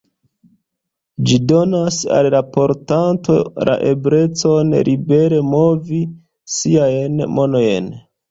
Ĝi donas al la portanto la eblecon libere movi siajn manojn.